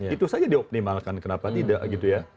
itu saja dioptimalkan kenapa tidak gitu ya